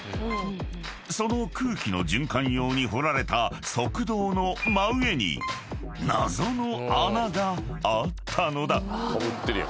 ［その空気の循環用に掘られた側道の真上に謎の穴があったのだ］